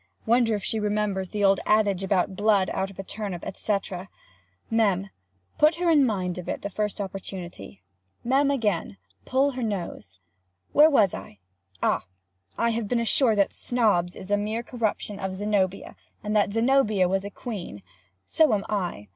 Wonder if she remembers the old adage about "blood out of a turnip," &c.? [Mem. put her in mind of it the first opportunity.] [Mem. again—pull her nose.] Where was I? Ah! I have been assured that Snobbs is a mere corruption of Zenobia, and that Zenobia was a queen—(So am I.